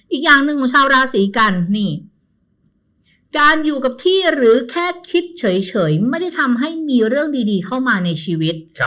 อีกอย่างหนึ่งของชาวราศีกันนี่การอยู่กับที่หรือแค่คิดเฉยไม่ได้ทำให้มีเรื่องดีเข้ามาในชีวิต